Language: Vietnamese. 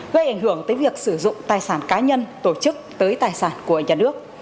gây ảnh hưởng tới việc sử dụng tài sản cá nhân tổ chức tới tài sản của nhà nước